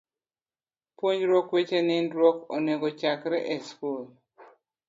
Puonjruok weche nindruok onego ochakre e skul.